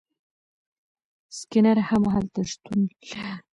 سکینر هم هلته شتون لري.